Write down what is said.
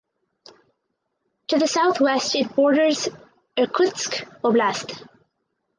To the southwest it borders Irkutsk Oblast.